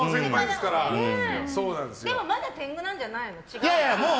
でもまだ天狗なんじゃないの？